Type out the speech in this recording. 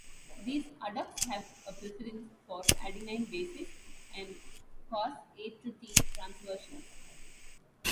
These adducts have a preference for adenine bases, and cause A-to-T transversions.